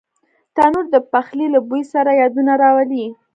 تنور د پخلي له بوی سره یادونه راولي